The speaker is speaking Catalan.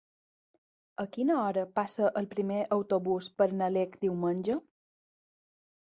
A quina hora passa el primer autobús per Nalec diumenge?